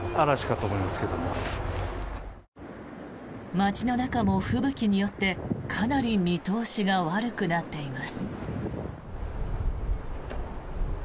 街の中も吹雪によってかなり見通しが悪くなっています。